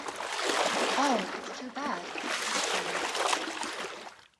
‘Oh, it’s too bad!’ she cried.